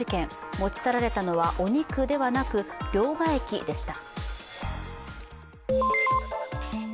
持ち去られたのはお肉ではなく両替機でした。